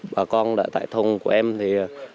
bà con tại thông của em thì